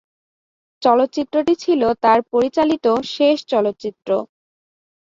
চলচ্চিত্রটি ছিল তার পরিচালিত শেষ চলচ্চিত্র।